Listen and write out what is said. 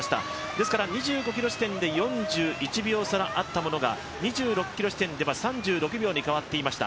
ですから２５ｋｍ地点で４１秒差あったものが、２６ｋｍ地点では３６秒に変わっていました。